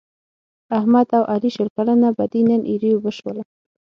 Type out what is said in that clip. د احمد او علي شل کلنه بدي نن ایرې اوبه شوله.